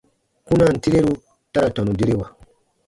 Kpunaan tireru ta ra tɔnu derewa.